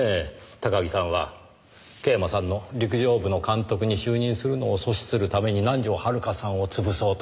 高木さんは桂馬さんの陸上部の監督に就任するのを阻止するために南条遥さんを潰そうとした。